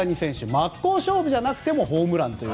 真っ向勝負じゃなくてもホームランという。